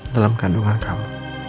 dalam kandungan kamu